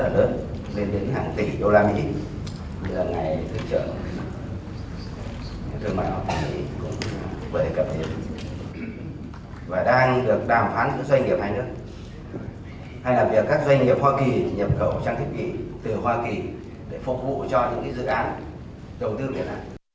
và đang được đàm phán giữa doanh nghiệp hai nước hay là việc các doanh nghiệp hoa kỳ nhập cầu trang thịnh kỷ từ hoa kỳ để phục vụ cho những doanh nghiệp